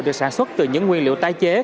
được sản xuất từ những nguyên liệu tái chế